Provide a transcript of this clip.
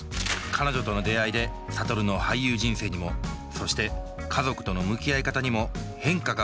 彼女との出会いで諭の俳優人生にもそして家族との向き合い方にも変化が訪れるようになります。